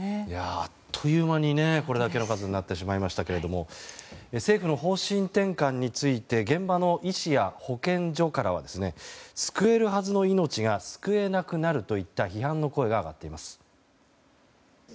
あっという間にこれだけの数になってしまいましたが政府の方針転換について現場の医師や保健所からは救えるはずの命が救えなくなるといった批判の声が上がっています。